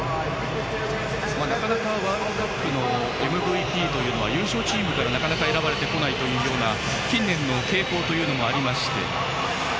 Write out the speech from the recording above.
なかなかワールドカップのＭＶＰというのは優勝チームから選ばれてこないという近年の傾向もありまして。